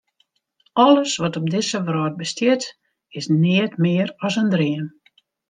Alles wat op dizze wrâld bestiet, is neat mear as in dream.